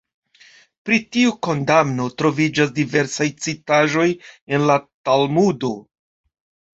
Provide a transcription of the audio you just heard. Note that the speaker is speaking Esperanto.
Pri tiu kondamno troviĝas diversaj citaĵoj en la Talmudo.